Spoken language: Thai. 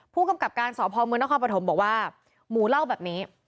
ผู้กำกับการสพมนครปฐมบอกว่าหมูเล่าแบบนี้